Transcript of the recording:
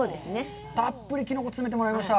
たっぷり、キノコ詰めてもらいました。